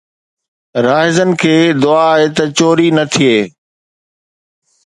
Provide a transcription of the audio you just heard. راهزن کي دعا آهي ته چوري نه ٿئي